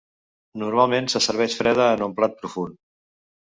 Normalment se serveix freda en un plat profund.